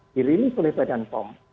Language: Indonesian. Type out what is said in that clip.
diri ini oleh badan pom